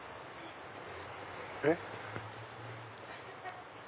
えっ？